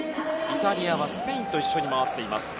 イタリアはスペインと一緒に回っています。